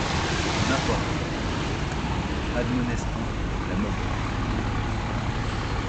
N’importe, admonestons la mob.